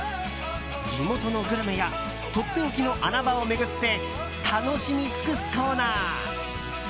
地元のグルメやとっておきの穴場を巡って楽しみ尽くすコーナー。